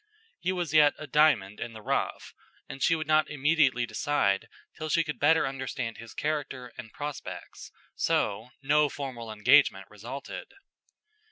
He was yet a diamond in the rough, and she would not immediately decide till she could better understand his character and prospects, so no formal engagement resulted.